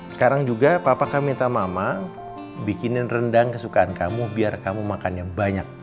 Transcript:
sekarang juga papa kamu minta mama bikinin rendang kesukaan kamu biar kamu makannya banyak